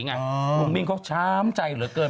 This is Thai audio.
หนุ่มมิ่งเขาช้ามใจเหลือเกิน